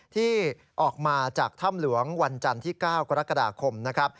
ที่ออกมาจากถ้ำหลวงวันจันทร์ที่๙กรกฎาคมนะครับ